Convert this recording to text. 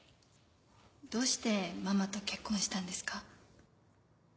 どうしてママと結婚したんですか？